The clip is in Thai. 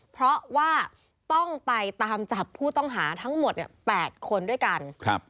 เพราะว่าต้องไปตามจับผู้ต้องหาทั้งหมด๘คนด้วยกัน